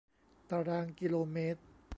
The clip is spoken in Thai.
ตารางกิโลเมตร